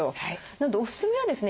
なのでおすすめはですね